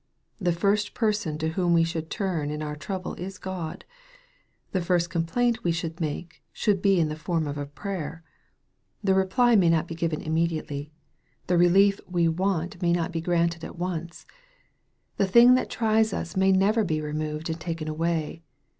The first person to whom we should turn in our trouble is God. The first complaint we should make should be in the form of a prayer. The may not be given immediately. The relief we 318 EXPOSITORY THOUGHTS. want may not be granted at once. The thing that tries us may never be removed and taken away.